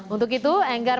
untuk itu enggar mengatakan